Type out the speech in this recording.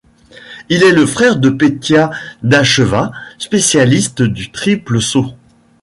Il est le frère de Petia Dacheva, spécialiste du triple saut.